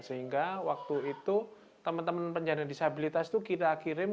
sehingga waktu itu teman teman penyandang disabilitas itu kita kirim